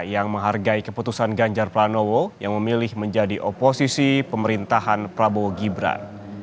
yang menghargai keputusan ganjar pranowo yang memilih menjadi oposisi pemerintahan prabowo gibran